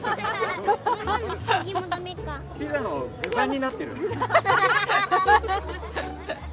ピザの具材になってる。